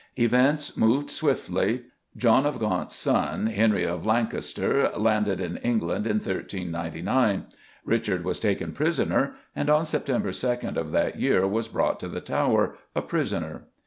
Events moved swiftly. John of Gaunt's son, Henry of Lancaster, landed in England in 1399; Richard was taken prisoner, and, on September 2 of that year, was brought to the Tower, a prisoner.